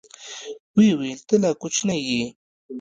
ويې ويل ته لا کوچنى يې.